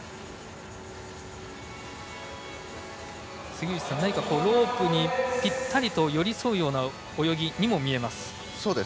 杉内さん、ロープにぴったりと寄り添うような泳ぎにも見えます。